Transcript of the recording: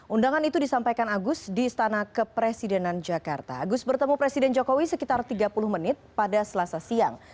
undangan itu disampaikan agus di istana kepresidenan jakarta agus bertemu presiden jokowi sekitar tiga puluh menit pada selasa siang